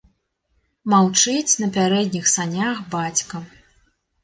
Маўчыць на пярэдніх санях бацька.